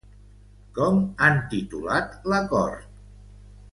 Com han titulat l'acord?